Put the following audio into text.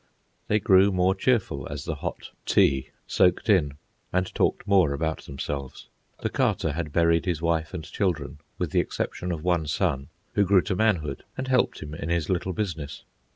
They grew more cheerful as the hot "tea" soaked in, and talked more about themselves. The Carter had buried his wife and children, with the exception of one son, who grew to manhood and helped him in his little business.